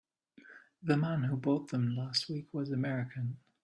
The man who bought them last week was American.